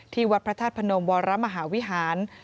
วัดพระธาตุพนมวรมหาวิหาร